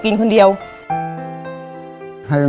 มันต้องการแล้วก็หายให้มัน